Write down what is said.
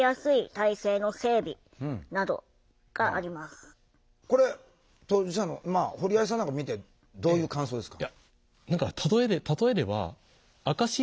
その中身はこれ当事者の堀合さんなんか見てどういう感想ですか？